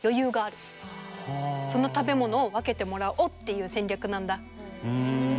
その食べ物を分けてもらおうっていう戦略なんだ。